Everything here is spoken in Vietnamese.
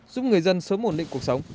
giúp người dân sớm ổn định cuộc sống